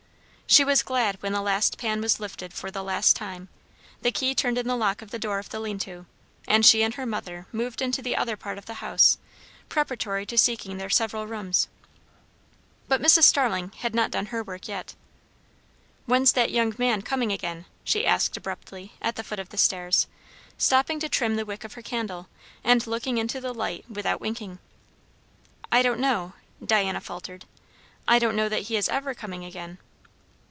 She was glad when the last pan was lifted for the last time, the key turned in the lock of the door of the lean to, and she and her mother moved into the other part of the house, preparatory to seeking their several rooms. But Mrs. Starling had not done her work yet. "When's that young man comin' again?" she asked abruptly at the foot of the stairs, stopping to trim the wick of her candle, and looking into the light without winking. "I don't know " Diana faltered. "I don't know that he is ever coming again."